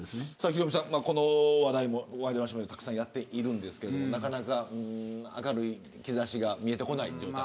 ヒロミさん、この話題もワイドナショーでたくさんやっていますがなかなか明るい兆しが見えてきません。